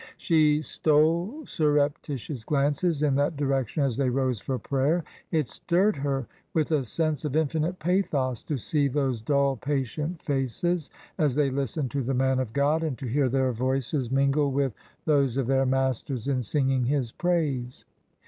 She stole surreptitious glances in that direction as they rose for prayer. It stirred her with a sense of infinite pathos to see those dull, patient faces as they listened to the man of God, and to hear their voices mingle with A STRONGHOLD OF ORTHODOXY 39 those of their masters in singing His praise.